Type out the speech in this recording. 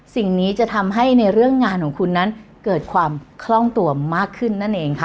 สิ่งนี้จะทำให้ในเรื่องงานของคุณนั้นเกิดความคล่องตัวมากขึ้นนั่นเองค่ะ